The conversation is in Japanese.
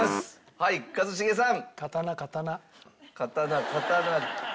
はい一茂さん。